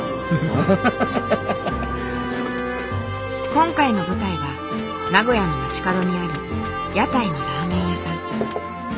今回の舞台は名古屋の街角にある屋台のラーメン屋さん。